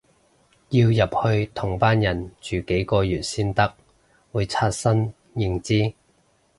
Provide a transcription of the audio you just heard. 要入去同班人住幾個月先得，會刷新認知